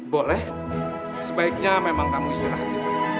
boleh sebaiknya memang kamu istirahat gitu